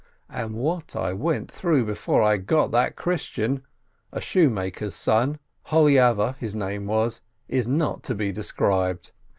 But what I went through before I got that Christian, a shoemaker's son, Holiava his name was, is not to be described.